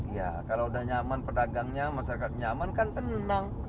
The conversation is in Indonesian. ya kalau udah nyaman pedagangnya masyarakat nyaman kan tenang